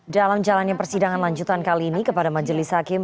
dalam jalannya persidangan lanjutan kali ini kepada majelis hakim